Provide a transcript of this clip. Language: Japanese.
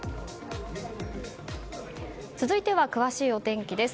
続いては詳しいお天気です。